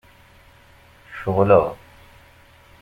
Ceɣleɣ.